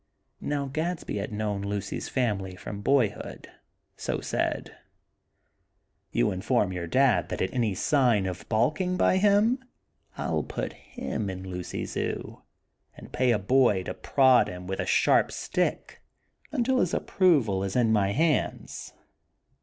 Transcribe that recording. Now Gadsby had known Lucy's family from boyhood, so said: "You inform your dad that at any sign of balking by him, I'll put HIM in Lucy Zoo, and pay a boy to prod him with a sharp stick, until his approval is in my hands."